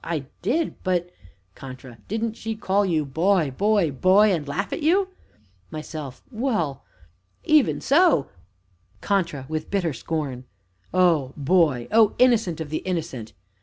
I did, but CONTRA. Didn't she call you boy! boy! boy! and laugh at you? MYSELF. Well even so CONTRA (with bitter scorn). O Boy! O Innocent of the innocent!